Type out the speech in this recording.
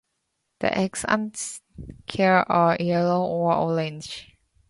The legs and cere are yellow or orange.